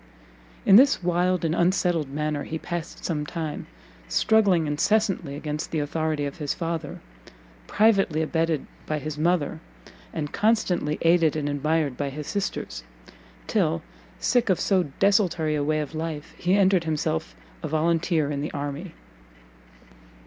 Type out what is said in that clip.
In this wild and unsettled manner he passed some time, struggling incessantly against the authority of his father, privately abetted by his mother, and constantly aided and admired by his sisters: till, sick of so desultory a way of life, he entered himself a volunteer in the army.